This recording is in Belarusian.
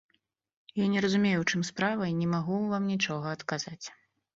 Я не разумею, у чым справа, і не магу вам нічога адказаць.